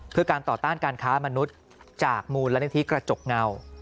คือการต่อต้านการค้ามนุษย์จากมูลนิธิกระจกเงา